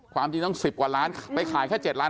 ความจริงต้อง๑๐กว่าล้านไปขายแค่๗ล้าน